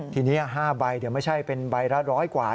ทีนี้๕ใบเดี๋ยวไม่ใช่เป็นใบละ๑๐๐กว่า